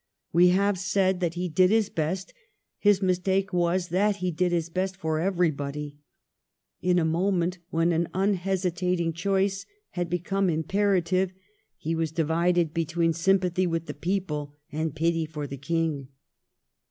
We have said that he did his best ; his mistake was that he did his best for everybody. In a moment, when an unhesi tating choice had become imperative, he was divided between sympathy with the people and pity for the King.